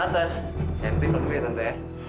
tante henry panggil ya tante ya